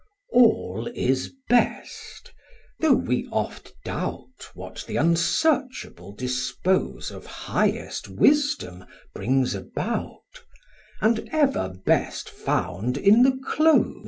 Chor: All is best, though we oft doubt, What th' unsearchable dispose Of highest wisdom brings about, And ever best found in the close.